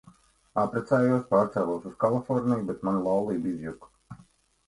Apprecējos, pārcēlos uz Kaliforniju, bet mana laulība izjuka.